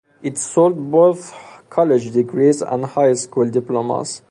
It sold both college degrees and high school diplomas.